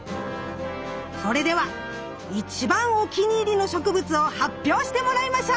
それでは一番お気に入りの植物を発表してもらいましょう！